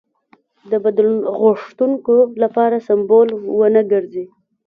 د بدلون غوښتونکو لپاره سمبول ونه ګرځي.